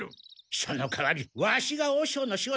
そのかわりワシが和尚の仕事をやってやる！